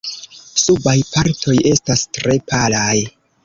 Subaj partoj estas tre palaj.